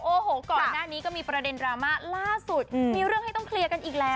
โอ้โหก่อนหน้านี้ก็มีประเด็นดราม่าล่าสุดมีเรื่องให้ต้องเคลียร์กันอีกแล้ว